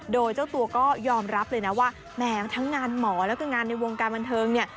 โดยเจ้าตัวก็ยอมรับเลยนะว่าแม้ทั้งงานหมอแล้วก็งานในวงการบันเทิงเนี่ย